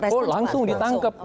oh langsung ditangkep